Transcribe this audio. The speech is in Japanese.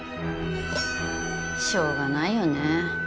しょうがないよねぇ？